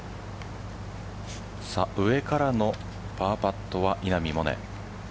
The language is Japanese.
上からのパーパットは稲見萌寧。